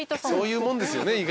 そういうもんですよね